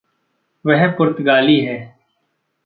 वह पुर्त्तगाली है।